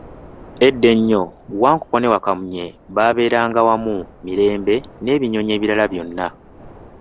Edda ennyo, Wankoko ne Wakamunye baabeeranga wamu mirembe n'ebinyonyi ebirala byonna.